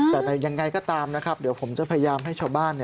แต่ยังไงก็ตามนะครับเดี๋ยวผมจะพยายามให้ชาวบ้าน